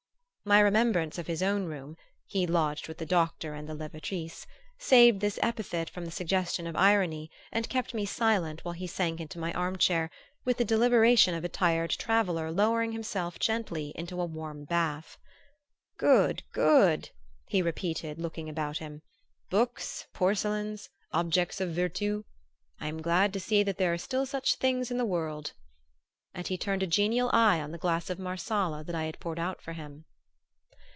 My remembrance of his own room (he lodged with the doctor and the levatrice) saved this epithet from the suggestion of irony and kept me silent while he sank into my arm chair with the deliberation of a tired traveller lowering himself gently into a warm bath. "Good! good!" he repeated, looking about him. "Books, porcelains, objects of virtù I am glad to see that there are still such things in the world!" And he turned a genial eye on the glass of Marsala that I had poured out for him.